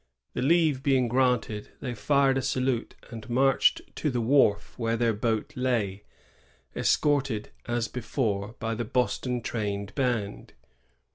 The leave being granted, th^ j fired a salute and marched to the wharf where their boat lay, escorted, as before, by the Boston trained band.